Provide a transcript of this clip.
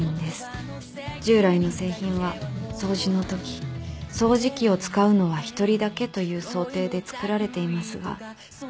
「従来の製品は掃除のとき掃除機を使うのは一人だけという想定で作られていますがそのせいで」